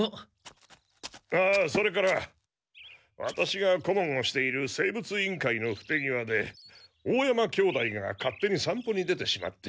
ああそれからワタシがこもんをしている生物委員会のふてぎわで大山兄弟が勝手に散歩に出てしまって。